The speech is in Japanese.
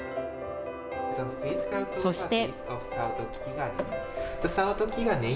そして。